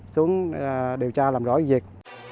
xuống điều tra làm rõ việc